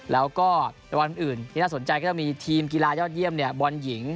แล้วก็รางวัลอื่นที่น่าสนใจก็จะมีทีมกีฬายอดเยี่ยมบอลหญิง